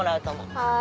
はい。